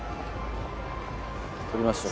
撮りましょう。